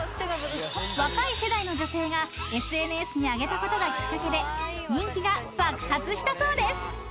［若い世代の女性がＳＮＳにあげたことがきっかけで人気が爆発したそうです］